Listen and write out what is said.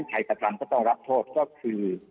ใครกระทำก็ต้องรับโทษก็คือ